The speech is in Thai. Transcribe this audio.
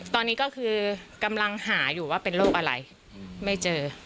ตอนนี้ก็คือกำลังหาอยู่ว่าเป็นโรคอะไรไม่เจอ